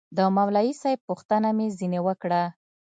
د مولوي صاحب پوښتنه مې ځنې وكړه.